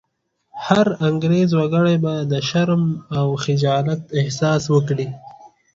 هر انګرېز وګړی به د شرم او خجالت احساس وکړي.